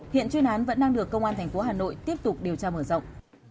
hiện chuyên án vẫn đang được công an thành phố hà nội tiếp tục điều tra mở rộng